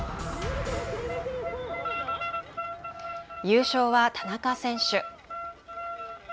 優勝は田中選手。